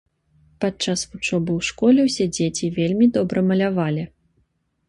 Падчас вучобы ў школе ўсе дзеці вельмі добра малявалі.